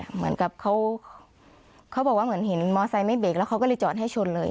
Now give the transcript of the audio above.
เหมือนกับเขาบอกว่าเหมือนเห็นมอไซค์ไม่เบรกแล้วเขาก็เลยจอดให้ชนเลย